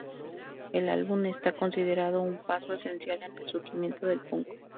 El álbum está considerado un paso esencial en el surgimiento del punk.